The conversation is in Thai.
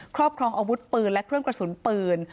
ครอบครองอาวุธปืนและเครื่องกระสุนปืน